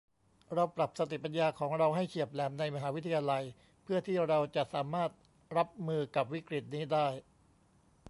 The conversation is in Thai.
เราปรับสติปัญญาของเราให้เฉียบแหลมในมหาวิทยาลัยเพื่อที่เราจะสามารถรับมือกับวิกฤตินี้ได้